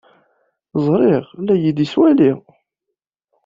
Ẓriɣ la iyi-d-yettwali.